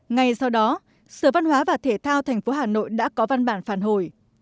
ngay sau đó sở văn hóa và thể thao thành phố hà nội đã có văn bản phản hồi